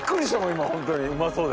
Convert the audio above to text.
今ホントにうまそうで。